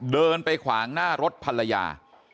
เดินไปขวางหน้ารถภรรยา